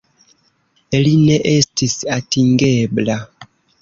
Li ne estis atingebla.